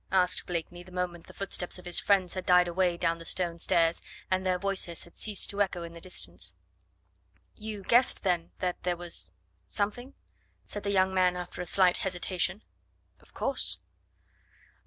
asked Blakeney, the moment the footsteps of his friends had died away down the stone stairs, and their voices had ceased to echo in the distance. "You guessed, then, that there was... something?" said the younger man, after a slight hesitation. "Of course."